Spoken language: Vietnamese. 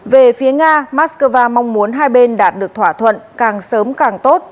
về phía nga moscow mong muốn hai bên đạt được thỏa thuận càng sớm càng tốt